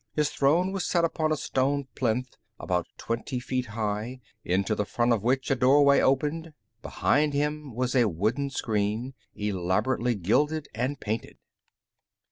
His throne was set upon a stone plinth about twenty feet high, into the front of which a doorway opened; behind him was a wooden screen, elaborately gilded and painted.